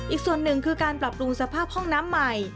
อีกส่วนหนึ่งคือการปรับปรุงสภาพห้องน้ำใหม่